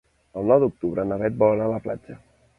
El nou d'octubre na Bet vol anar a la platja.